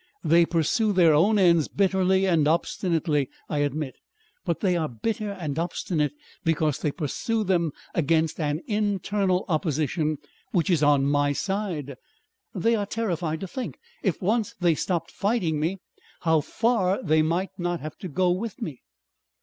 They pursue their own ends bitterly and obstinately I admit, but they are bitter and obstinate because they pursue them against an internal opposition which is on my side. They are terrified to think, if once they stopped fighting me, how far they might not have to go with me."